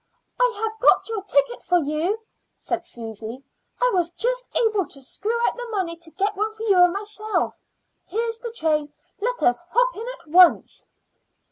"I have got your ticket for you," said Susy. "I was just able to screw out the money to get one for you and myself. Here's the train; let us hop in at once."